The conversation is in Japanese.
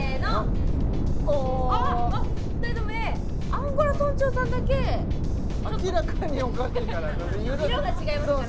アンゴラ村長さんだけ明らかにおかしいから色が違いますからね